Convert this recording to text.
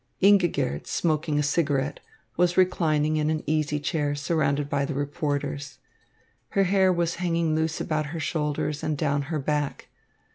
Ingigerd, smoking a cigarette, was reclining in an easy chair surrounded by the reporters. Her hair was hanging loose about her shoulders and down her back.